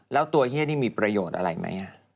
แล้วตัวเฮียนี่มีประโยชน์อะไรไหม